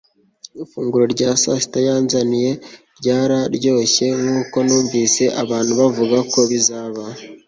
Ifunguro rya sasita yanzaniye ryararyoshye nkuko numvise abantu bavuga ko bizaba